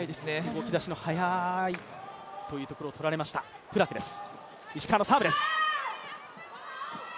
動き出しの早いところを取られました、プラクです。